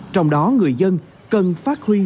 trong đó người dân cần phát huy